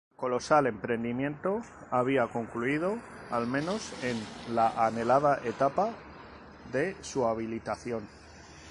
El colosal emprendimiento había concluido, al menos en la anhelada etapa de su habilitación.